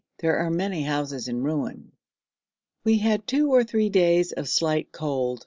There are many houses in ruins. We had two or three days of slight cold.